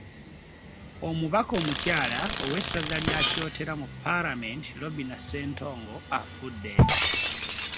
Omubaka omukyala ow'essaza lya Kyotera mu Palamenti, Robinah Ssentongo afudde